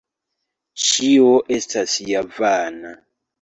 Ĉio estas ja vana.